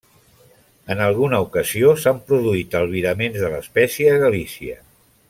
En alguna ocasió s'han produït albiraments de l'espècie a Galícia.